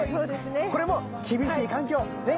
これも厳しい環境ね。